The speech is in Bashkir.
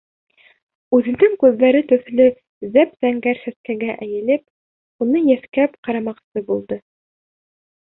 Үҙенең күҙҙәре төҫлө зәп-зәңгәр сәскәгә эйелеп, уны еҫкәп ҡарамаҡсы булды.